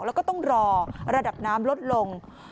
แล้วก็ต้องรอระดับน้ำลดลง